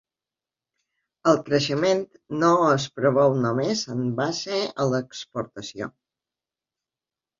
El creixement no es preveu només en base a l’exportació.